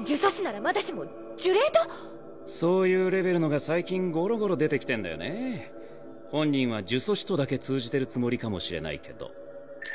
呪詛師ならまだしも呪霊と⁉そういうレベルのが最近ご本人は呪詛師とだけ通じてるつもりかもしれないけど。